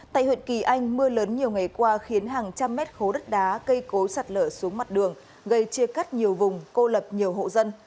tại huyện kỳ anh mưa lớn nhiều ngày qua khiến hàng trăm mét khố đất đá cây cối sạt lở xuống mặt đường gây chia cắt nhiều vùng cô lập nhiều hộ dân